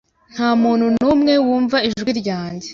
nta muntu numwe wumva ijwi ryanjye